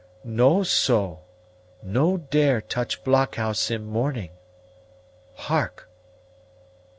"Know so. No dare touch blockhouse in morning. Hark!